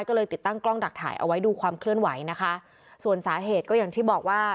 ก็เลยติดตั้งกล้องดักถ่ายเอาไว้ดูความเคลื่อนไหวนะคะส่วนสาเหตุก็อย่างที่บอกว่า